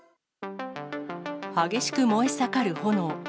激しく燃え盛る炎。